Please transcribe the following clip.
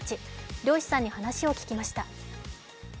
漁師さんに話を聞きました。